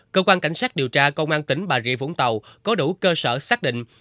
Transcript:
cơ quan cảnh sát điều tra công an tỉnh bà rịa vũng tàu có đủ cơ sở xác định